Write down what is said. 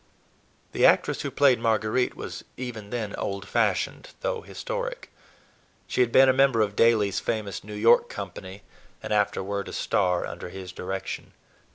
The actress who played Marguerite was even then old fashioned, though historic. She had been a member of Daly's famous New York company, and afterward a "star" under his direction.